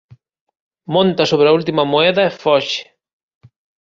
Monta sobre a última moeda e foxe.